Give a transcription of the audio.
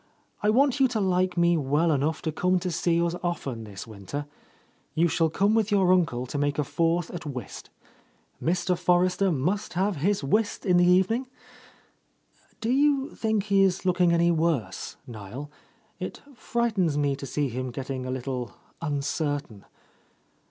I want you to like me well enough to come to see us often this winter. You shall —. 39 — A Lost Lady come with your uncle to make a fourth at whist. Mr. Forrester must have his whist in the eve ning. Do you think he is looking any worse, ■Niel? It frightens me to see him getting a little uncertain.